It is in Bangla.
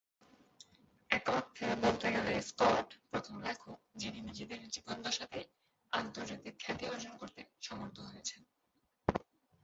এক অর্থে বলতে গেলে স্কট প্রথম লেখক যিনি নিজের জীবদ্দশাতেই আন্তর্জাতিক খ্যাতি অর্জন করতে সমর্থ হয়েছেন।